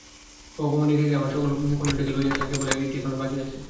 ভগবান একে একে আমার সকল কঞ্চটিকে লইয়াছেন, কেবল এইটি এখনো বাকি আছে।